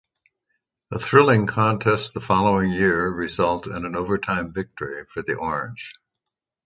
A thrilling contest the following year result in an overtime victory for the Orange.